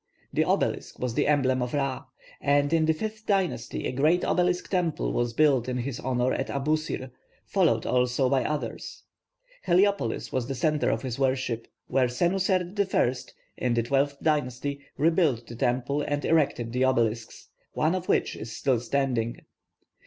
The obelisk was the emblem of Ra, and in the fifth dynasty a great obelisk temple was built in his honour at Abusir, followed also by others. Heliopolis was the centre of his worship, where Senusert I, in the twelfth dynasty, rebuilt the temple and erected the obelisks, one of which is still standing.